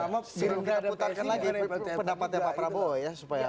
mau kita putarkan lagi pendapatnya pak prabowo ya